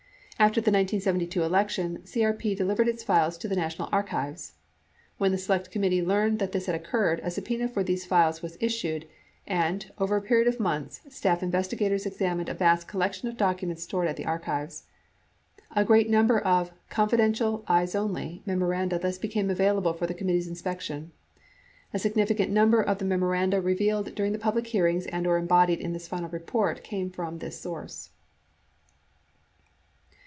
After the 1972 election, CEP delivered its files to the National Archives. When the Select Committee learned this had occurred, a subpena for these files was issued and, over a period of months, staff investigators examined a vast collection of documents stored at the Archives. A great number of "confidential/eyes only" memoranda thus became available for the committee's inspection. A significant number of the memoranda re vealed during the public hearings and/or embodied in this final report came from this source.